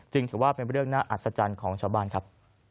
ถือว่าเป็นเรื่องน่าอัศจรรย์ของชาวบ้านครับ